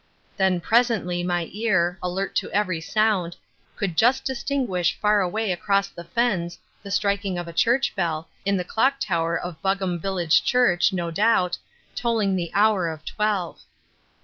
Then presently my ear, alert to every sound, could just distinguish far away across the fens the striking of a church bell, in the clock tower of Buggam village church, no doubt, tolling the hour of twelve.